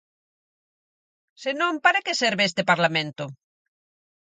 Se non, ¿para que serve este Parlamento?